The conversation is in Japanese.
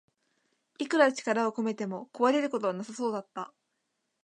いくら力を込めても壊れることはなさそうだった